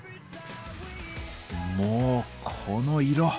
もうこの色！